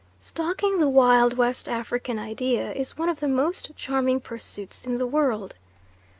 Stalking the wild West African idea is one of the most charming pursuits in the world.